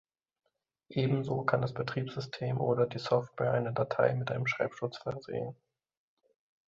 Ebenso kann das Betriebssystem oder die Software eine Datei mit einem Schreibschutz versehen.